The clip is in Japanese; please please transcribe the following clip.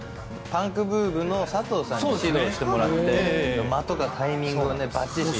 パンクブーブーの佐藤さんに指導してもらって間とかタイミングを。